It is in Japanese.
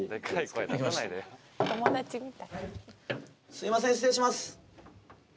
すいません失礼します。